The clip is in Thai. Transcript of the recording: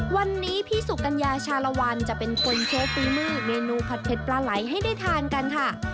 วันนี้พี่สุกัญญาชาลวันจะเป็นคนโพสต์ฝีมือเมนูผัดเผ็ดปลาไหลให้ได้ทานกันค่ะ